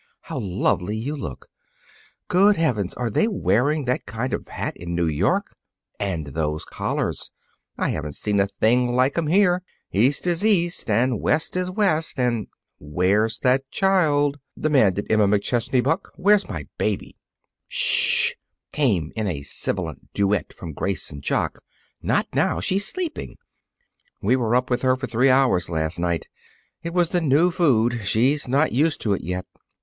How lovely you look! Good heavens, are they wearing that kind of hat in New York! And those collars! I haven't seen a thing like 'em here. 'East is east and West is west and '" "Where's that child?" demanded Emma McChesney Buck. "Where's my baby?" "Sh sh sh sh!" came in a sibilant duet from Grace and Jock. "Not now. She's sleeping. We were up with her for three hours last night. It was the new food. She's not used to it yet."